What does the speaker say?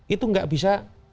itu gak bisa